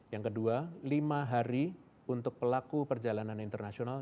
yang kedua lima hari untuk pelaku perjalanan internasional